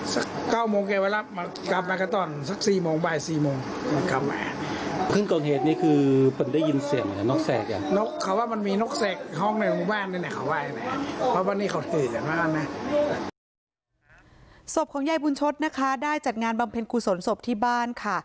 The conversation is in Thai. ศพของยายบุญชศนะคะได้จัดงานบำเพ็ญกุศลศพที่บ้านค่ะ